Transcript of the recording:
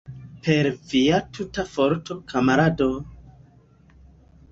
Per via tuta forto, kamarado!